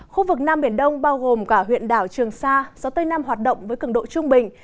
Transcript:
khu vực nam biển đông bao gồm cả huyện đảo trường sa gió tây nam hoạt động với cứng độ trung bình